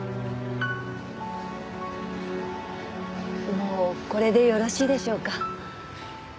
もうこれでよろしいでしょうか？